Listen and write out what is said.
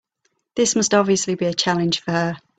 This must obviously be a challenge for her.